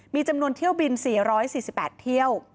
มีจำนวนเที่ยวบิน๔๔๘เที่ยว